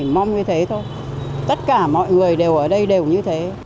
mong như thế thôi tất cả mọi người đều ở đây đều như thế